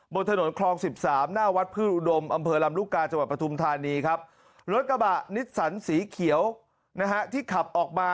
บนถนนครอง๑๓หน้าวัดพื้นอุดมอำเภอรำรุกาจังหวัดประทุมธานีครับ